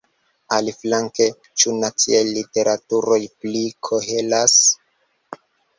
Aliflanke, ĉu naciaj literaturoj pli koheras?